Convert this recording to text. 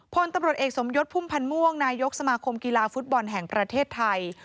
พลตำรวจเอกสมยศพุ่มพันธ์ม่วงนายกสมาคมกีฬาฟุตบอลแห่งประเทศไทย